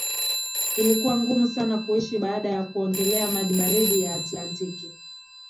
ilikuwa ngumu sana kuishi baada ya kuogelea maji baridi ya atlantiki